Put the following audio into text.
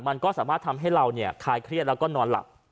มันจะทำให้เราคลายเครียดและนอนหลับ